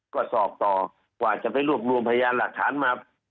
ก็สอบต่อกว่าจะไปรวบรวมพยานหลักฐานมา